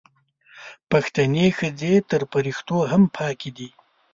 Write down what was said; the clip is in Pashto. پښتنې ښځې تر فریښتو هم پاکې دي